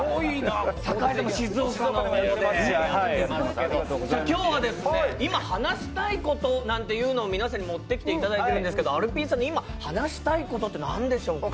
酒井さんもやってますけど、今日は、今話したいことなんていうのを皆さんに持ってきていただいているんですけど、アルピーさんの今、話したいことって何ですか？